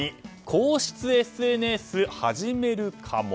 皇室ＳＮＳ始めるかも。